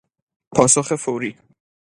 پاسخ فوری